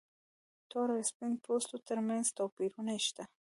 تور او سپین پوستو تر منځ توپیرونه شته.